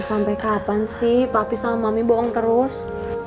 tuh sampai kapan sih papi sama mami bohong terus